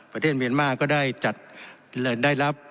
ประเทศเมียนมาร์ก็ได้จัดได้รับ